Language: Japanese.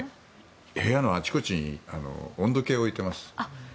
部屋のあちこちに温度計を置いています。